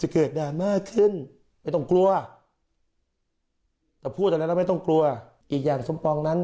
เขาขึ้นก็พูดอะไรเราไม่ต้องกลัวอีกอย่างสมปองนั้น